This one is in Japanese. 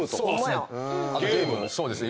そうですね。